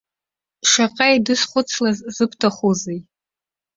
Шаҟа еидысхәыцлаз зыбҭахузеи.